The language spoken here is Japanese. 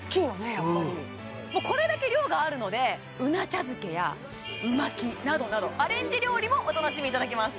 やっぱりこれだけ量があるのでうな茶漬けやう巻きなどなどアレンジ料理もお楽しみいただけます